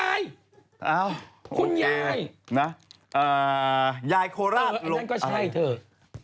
เอ้าคุณยายคุณยาย